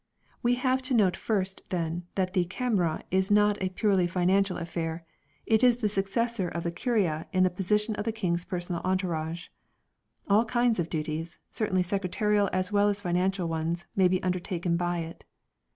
We have to note first, then, that the " Camera " is not a purely financial affair ; it is the successor of the " Curia " in the position of the King's personal entourage. All kinds of duties, certainly secretarial as well as financial ones, may be undertaken by it.